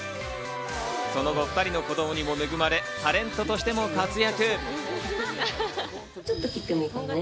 その後、２人の子供にも恵まれタレントとしても活躍。